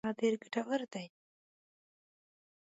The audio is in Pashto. هغه ډېر ګټور دي.